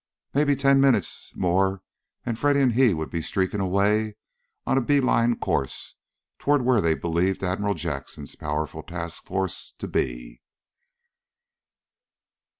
Maybe ten minutes more and Freddy and he would be streaking away on a bee line course toward where they believed Admiral Jackson's powerful task force to be!